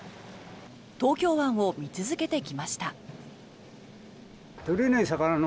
東京湾を見続けてきました。